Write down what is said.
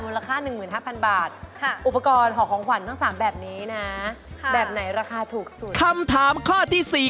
มูลค่า๑๕๐๐๐บาท